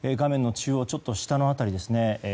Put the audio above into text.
中央ちょっと下の辺りですね